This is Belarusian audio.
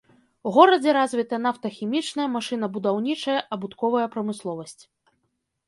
У горадзе развіта нафтахімічная, машынабудаўнічая, абутковая прамысловасць.